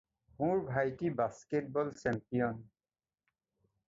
মোৰ ভাইটী basketball champion.